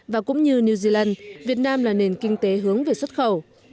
và cũng như new zealand việt nam là nền kinh tế hướng về xuất khẩu